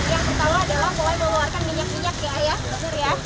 yang pertama adalah boleh mengeluarkan minyak minyak ya